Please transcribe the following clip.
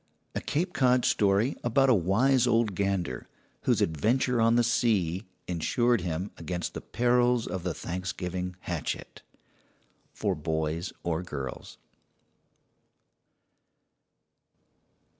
A Cape Cod story about a wise old gander whose adventure on the sea insured him against the perils of the Thanksgiving hatchet. For boys or girls.